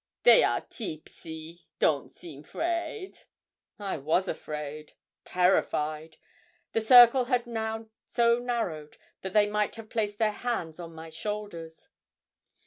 'They are teepsy; don't seem 'fraid.' I was afraid terrified. The circle had now so narrowed that they might have placed their hands on my shoulders.